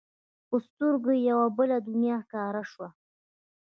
په سترګو کې یې یوه بله دنیا ښکاره شوه.